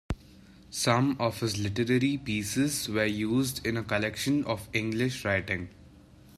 Some of his literary pieces were used in a collection of English writing.